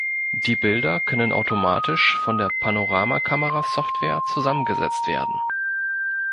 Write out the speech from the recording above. Die Bilder können automatisch von der Panoramakamera-Software zusammengesetzt werden.